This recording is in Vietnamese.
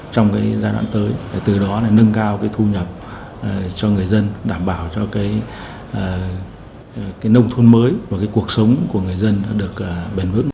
trong giai đoạn tới từ đó nâng cao thu nhập cho người dân đảm bảo cho nông thôn mới và cuộc sống của người dân được bền hướng